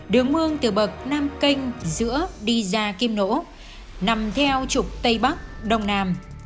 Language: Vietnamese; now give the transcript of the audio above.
đường mương từ bậc nam kênh giữa đi ra kim nỗ nằm theo trục tây bắc đông nam